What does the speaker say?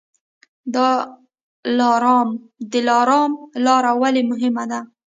دلارام لاره ولې مهمه ده؟